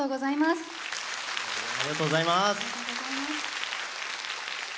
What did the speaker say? ありがとうございます。